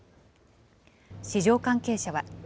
市場関係者は。